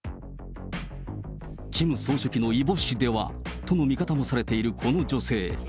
キム総書記の異母姉ではとの見方もされているこの女性。